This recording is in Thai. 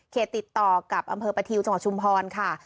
ติดต่อกับอำเภอประทิวจังหวัดชุมพรค่ะ